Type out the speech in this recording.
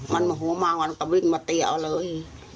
มันโมโหมามันก็วิ่งมาตีเอาเลย